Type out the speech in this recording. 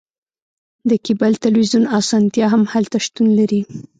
د کیبل تلویزیون اسانتیا هم هلته شتون لري